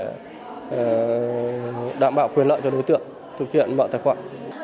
cho đối tượng thực hiện bọn tài khoản